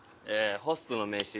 ホストの名刺。